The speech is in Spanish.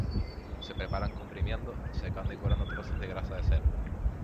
Se preparan comprimiendo, secando y curando trozos de grasa de cerdo.